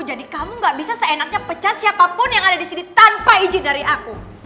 jadi kamu gak bisa seenaknya pecat siapapun yang ada disini tanpa izin dari aku